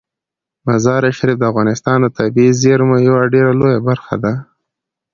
مزارشریف د افغانستان د طبیعي زیرمو یوه ډیره لویه برخه ده.